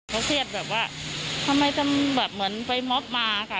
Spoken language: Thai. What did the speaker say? เขาเชื่อแบบว่าเหมือนไปมอบมาค่ะ